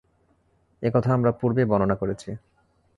এ কথা আমরা পূর্বেই বর্ণনা করেছি।